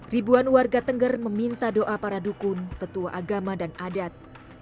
ribuan warga tengger meminta doa para dukun petua agama dan adat